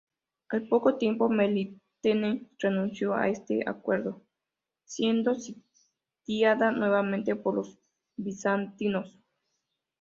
Al poco tiempo, Melitene renunció a este acuerdo, siendo sitiada nuevamente por los bizantinos.